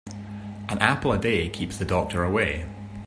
An apple a day keeps the doctor away.